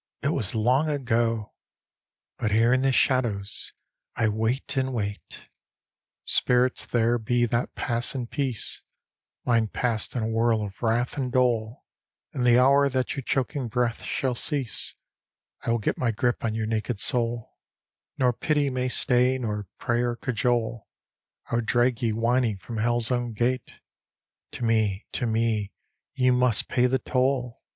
— it was long ago! — But here in the shadows I wait, and waitl D,gt,, erihyGOOgle Haunted 1 4 Spirits there be that pass rn peace; Mine passed in a whirl of wrath and dole; And the hour that your choking breath ^all cease I will get my grip on your n^ed soul — Nor pity may stay nor prayer cajole — I would drag ye whining from Hell's own gate: To me, to me, ye must pay the toll!